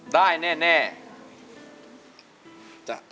แบบนี้หรือครับได้แน่